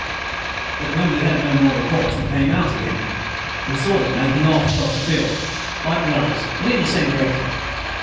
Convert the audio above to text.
But when we heard no more reports we came out again, and saw them making off across the fields like the others and in the same direction.